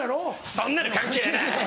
そんなの関係ねえ！